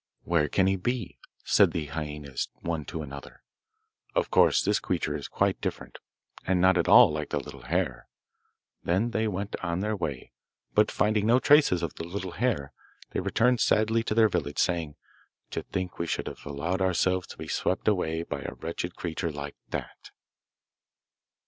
'Where can he be?' said the hyaenas one to another. 'Of course, this creature is quite different, and not at all like the little hare.' Then they went on their way, but, finding no traces of the little hare, they returned sadly to their village, saying, 'To think we should have allowed ourselves to be swept away by a wretched creature like that!